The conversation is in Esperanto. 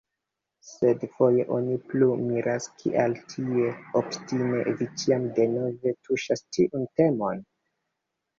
Sed, foje oni plu miras, kial tiel obstine vi ĉiam denove tuŝas tiun temon?